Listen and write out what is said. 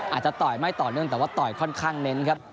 ต่อยไม่ต่อเนื่องแต่ว่าต่อยค่อนข้างเน้นครับ